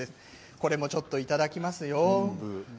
これもちょっといただきますよ。